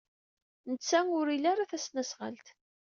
Netta ur ili ara tasnasɣalt.